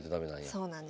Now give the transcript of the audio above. そうなんです。